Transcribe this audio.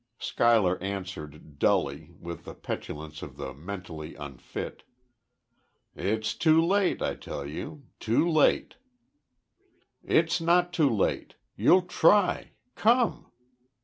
Schuyler answered, dully, with the petulance of the mentally unfit: "It's too late, I tell you too late!" "It's not too late! You'll try! Come!"